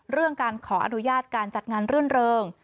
เรื่องการขออนุญาตการจัดงานรื่นเริง